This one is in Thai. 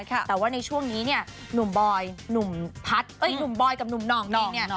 แต่ว่าในช่วงนี้เนี่ยหนุ่มบอยหนุ่มพัฒน์หนุ่มบอยกับหนุ่มห่องจริงเนี่ย